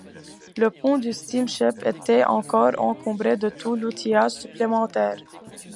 le pont du steam-ship était encore encombré de tout l’outillage supplémentaire.